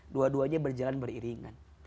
dua duanya berjalan beriringan